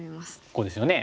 ここですよね。